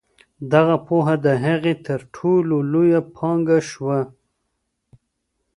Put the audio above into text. دغه پوهه د هغې تر ټولو لویه پانګه شوه.